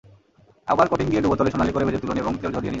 আবার কোটিং দিয়ে ডুবোতেলে সোনালি করে ভেজে তুলুন এবং তেল ঝরিয়ে নিন।